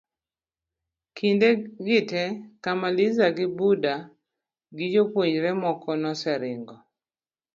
kinde gi te Kamaliza gi Mbunda gi jopuonjre moko noseringo